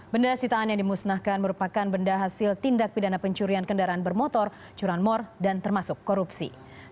benda sitaan yang dimusnahkan merupakan benda hasil tindak pidana pencurian kendaraan bermotor curanmor dan termasuk korupsi